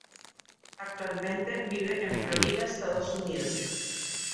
Actualmente vive en Florida, Estados Unidos.